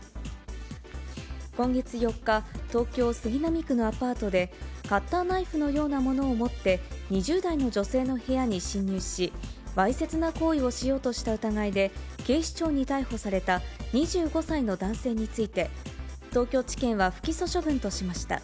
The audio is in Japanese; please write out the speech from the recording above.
今月４日、東京・杉並区のアパートで、カッターナイフのようなものを持って２０代の女性の部屋に侵入し、わいせつな行為をしようとした疑いで、警視庁に逮捕された２５歳の男性について、東京地検は不起訴処分としました。